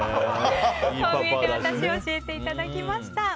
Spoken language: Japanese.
こう見えてワタシ教えていただきました。